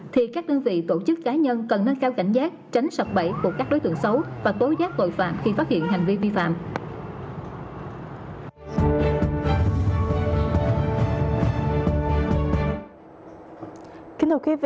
thì các đơn vị tổ chức cá nhân cần nâng cao cảnh giác tránh sập bẫy của các đối tượng xấu và tối giác tội phạm khi phát hiện hành vi vi phạm